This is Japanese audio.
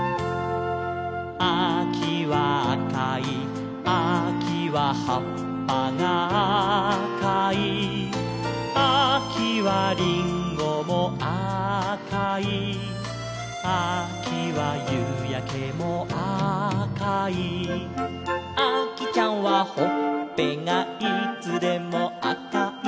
「あきはあかい」「あきははっぱがあかい」「あきはりんごもあかい」「あきはゆうやけもあかい」「あきちゃんはほっぺがいつでもあかい」